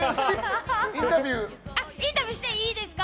インタビューしていいですか。